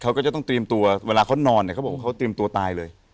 เขาก็จะต้องเตรียมตัวเวลาเขานอนเนี่ยเขาบอกว่าเขาเตรียมตัวตายเลย